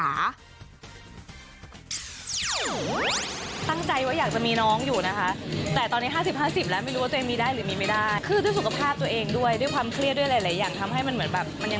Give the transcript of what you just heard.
ตั้งใจว่าอยากจะมีน้องอยู่นะคะ